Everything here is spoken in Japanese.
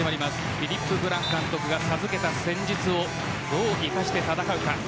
フィリップ・ブラン監督が授けた戦術をどう生かして戦うか。